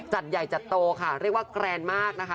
จัดใหญ่จัดโตค่ะเรียกว่าแกรนมากนะคะ